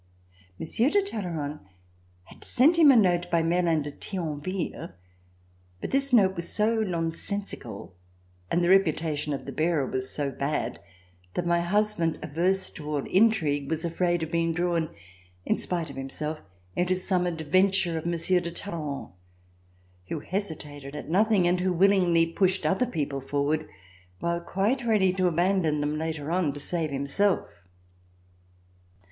Monsieur de Talleyrand had sent him a note by Merlin de Thionville, but this note was so nonsensical, and the reputation of the bearer was so bad, that my husband, averse to all intrigue, was afraid of being drawn, in spite of himself, into some adventure of Monsieur de Talleyrand, who hesitated at nothing and who willingly pushed other people forward while quite ready to abandon them later on to save himself.